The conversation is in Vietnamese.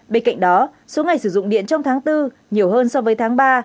bên cạnh đó số ngày sử dụng điện trong tháng bốn nhiều hơn so với tháng ba